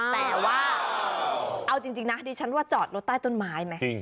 แต่ว่าเอาจริงนะดิฉันว่าจอดรถใต้ต้นไม้ไหม